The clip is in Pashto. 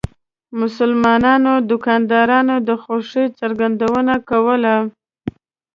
مسلمانو دکاندارانو د خوښۍ څرګندونه کوله.